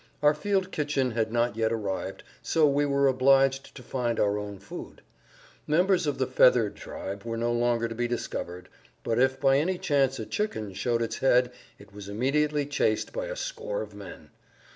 Our field kitchen had not yet arrived, so we were obliged to find our own food. Members of the feathered tribe were no longer to be discovered, but if by any chance a chicken showed its head it was immediately chased by a score of men.